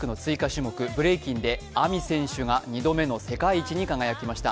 種目ブレイキンでＡＭＩ選手が２度目の世界一に輝きました。